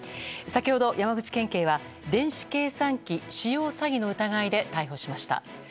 先ほど、山口県警は電子計算機使用詐欺の疑いで逮捕しました。